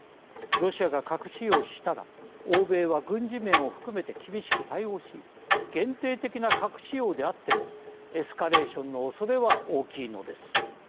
ロシアが核使用したら欧米は軍事面を含めて厳しく対応し限定的な核使用であってもエスカレーションのおそれは大きいのです。